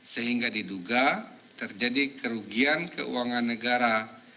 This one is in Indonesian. sehingga diduga terjadi kerugian keuangan negara